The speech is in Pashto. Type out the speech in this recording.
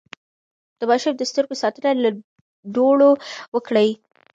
د ماشوم د سترګو ساتنه له دوړو وکړئ.